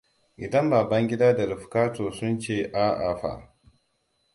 Idan Babangida da Rifkatutu sun ce a'a fa?